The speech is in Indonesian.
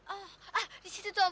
oh disitu om